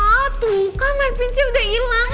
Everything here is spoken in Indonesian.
ah tuh kan naipinnya udah ilang